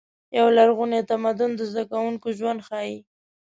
یو لرغونی تمرین د زده کوونکو ژوند ښيي.